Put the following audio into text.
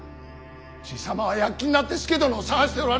爺様は躍起になって佐殿を捜しておられる。